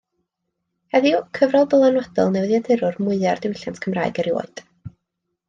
Heddiw, cyfrol ddylanwadol newyddiadurwr mwya'r diwylliant Cymraeg erioed.